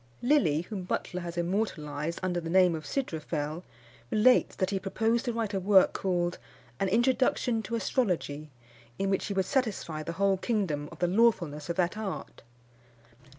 Lilly, whom Butler has immortalised under the name of Sydrophel, relates, that he proposed to write a work called An Introduction to Astrology, in which he would satisfy the whole kingdom of the lawfulness of that art.